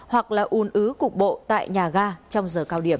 hoặc là ủn ứ cục bộ tại nhà ga trong giờ cao điểm